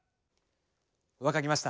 分かりました。